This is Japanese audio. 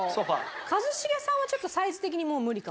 一茂さんはちょっとサイズ的に無理かも。